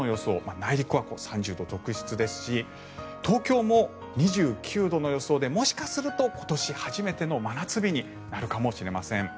内陸は３０度続出ですし東京も２９度の予想でもしかすると今年初めての真夏日になるかもしれません。